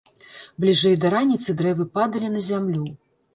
Бліжэй да раніцы дрэвы падалі на зямлю.